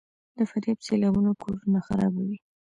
د فاریاب سیلابونه کورونه خرابوي؟